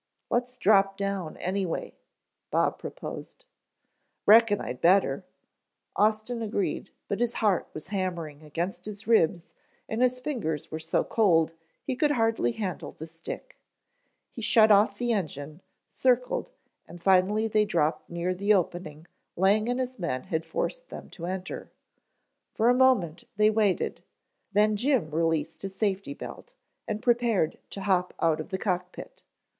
"Let's drop down anyway," Bob proposed. "Reckon I'd better," Austin agreed, but his heart was hammering against his ribs and his fingers were so cold he could hardly handle the stick. He shut off the engine, circled and finally they dropped near the opening Lang and his men had forced them to enter. For a moment they waited, then Jim released his safety belt, and prepared to hop out of the cock pit.